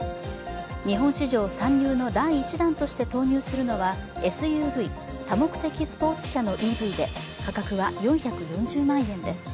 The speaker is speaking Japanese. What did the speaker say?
日本市場参入の第１弾として投入するのはＳＵＶ＝多目的スポーツ車のＥＶで価格は４４０万円です。